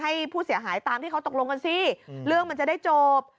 ให้ผู้เสียหายตามที่เขาตกลงกันสิเรื่องมันจะได้จบ